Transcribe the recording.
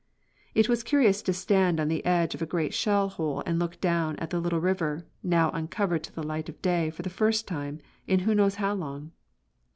It was curious to stand on the edge of a great shell hole and look down at the little river, now uncovered to the light of day for the first time in who knows how long.